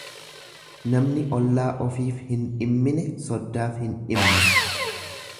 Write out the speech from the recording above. Namni ollaa ofiif hin dhimmine soddaaf hin dhimmu.